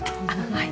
はい。